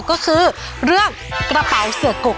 ก็คือเรื่องกระเป๋าเสือกก